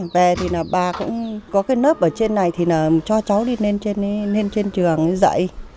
về thì là bà cũng có cái lớp ở trên này thì là cho cháu đi lên trên trường dạy